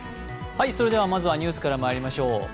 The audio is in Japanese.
それではまずはニュースからまいりましょう。